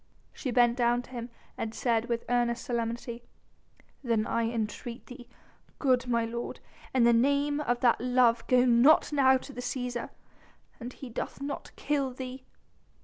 She bent down to him and said with earnest solemnity: "Then I entreat thee, good my lord, in the name of that love go not to the Cæsar now.... An he doth not kill thee